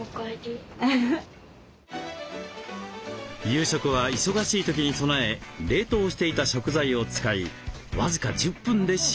夕食は忙しい時に備え冷凍していた食材を使い僅か１０分で仕上げます。